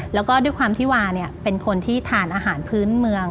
แล้วก็ด้วยความที่วาเนี่ยเป็นคนที่ทานอาหารพื้นเมือง